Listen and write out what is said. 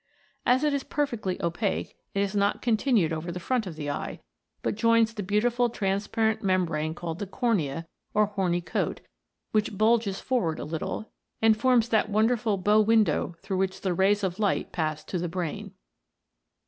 As it is perfectly opaque, it is not continued over the front of the eye, but joins the beautiful transparent membrane called the cornea, or horny coat, which bulges forward a little, and forms that wonderful bow window through which the rays of light pass to the brain.